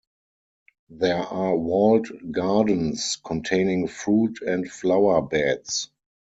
There are walled gardens containing fruit and flower beds.